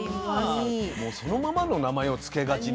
もうそのままの名前を付けがちね。